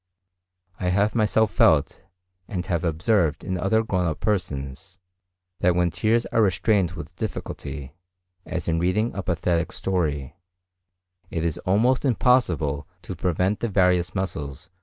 I have myself felt, and have observed in other grown up persons, that when tears are restrained with difficulty, as in reading a pathetic story, it is almost impossible to prevent the various muscles.